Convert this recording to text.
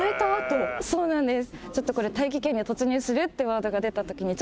そうなんです。